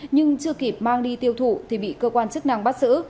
nhưng chưa kịp mang đi tiêu thụ thì bị cơ quan chức năng bắt giữ